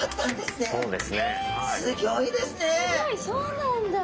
すごいそうなんだ。